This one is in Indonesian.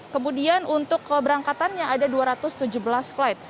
kemudian untuk keberangkatannya ada dua ratus tujuh belas flight